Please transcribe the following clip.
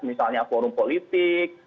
misalnya forum politik